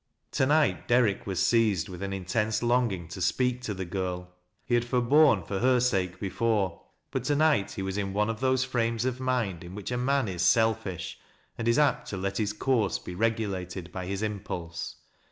To night, Derrick was seized with an intense longing to speak to the girl. He had forborne for her sake before, but to night he was in one of those frames of mind in which a man is selfish, and is apt to let his course be regulated by his impulse.